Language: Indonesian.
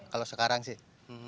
kalau sekarang sih